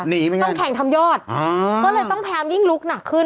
หนีเหมือนกันต้องแข่งทำยอดก็เลยต้องแพ้มยิ่งลุกหนักขึ้น